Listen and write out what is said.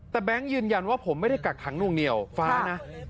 แต่แบงค์ยืนยันว่าผมไม่ได้กักขังนวงเหนียวฟ้านะ